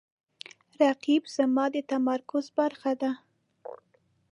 رقیب زما د تمرکز برخه ده